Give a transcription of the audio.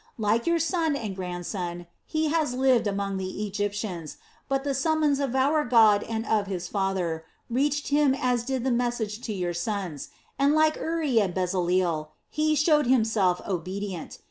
Like your son and grandson, he has lived among the Egyptians, but the summons of our God and of his father reached him as did the message to your sons, and like Uri and Bezaleel, he showed himself obedient.